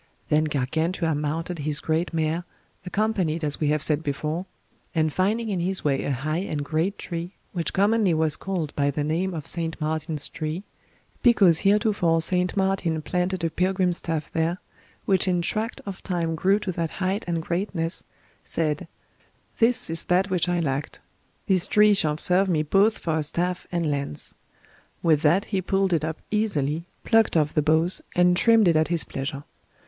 Then Gargantua mounted his great mare, accompanied as we have said before, and finding in his way a high and great tree, which commonly was called by the name of St. Martin's tree, because heretofore St. Martin planted a pilgrim's staff there, which in tract of time grew to that height and greatness, said, This is that which I lacked; this tree shall serve me both for a staff and lance. With that he pulled it up easily, plucked off the boughs, and trimmed it at his pleasure.